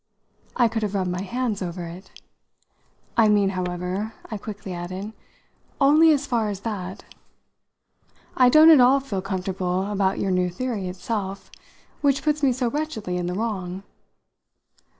I could have rubbed my hands over it. "I mean, however," I quickly added, "only as far as that. I don't at all feel comfortable about your new theory itself, which puts me so wretchedly in the wrong."